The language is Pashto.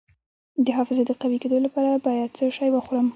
د حافظې د قوي کیدو لپاره باید څه شی وخورم؟